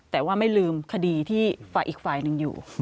แต่ว่าไม่ลืมคดีที่ฝ่ายอีกฝ่ายหนึ่งอยู่